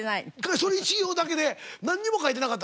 それ１行だけでなんにも書いてなかったんですよ。